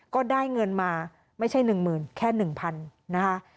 ก็ได้เงินมาไม่ใช่หนึ่งหมื่นแค่หนึ่งพันธุ์นะคะ